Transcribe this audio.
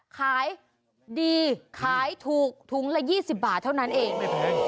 ขายดีขายถูกถุงละ๒๐บาทเท่านั้นเองไม่แพง